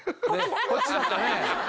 こっちだったねぇ。